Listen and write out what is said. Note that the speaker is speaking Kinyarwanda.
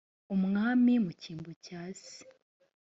umwami mu cyimbo cya se